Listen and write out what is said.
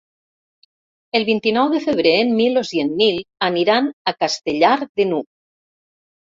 El vint-i-nou de febrer en Milos i en Nil aniran a Castellar de n'Hug.